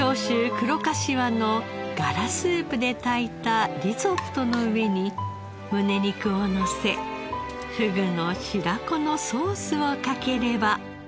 黒かしわのガラスープで炊いたリゾットの上にむね肉をのせフグの白子のソースをかければ。